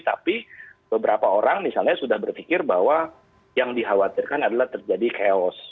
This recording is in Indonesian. tapi beberapa orang misalnya sudah berpikir bahwa yang dikhawatirkan adalah terjadi chaos